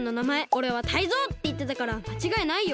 「おれはタイゾウ！」っていってたからまちがいないよ。